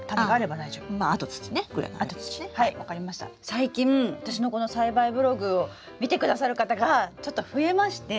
最近私のこの栽培ブログを見てくださる方がちょっと増えまして。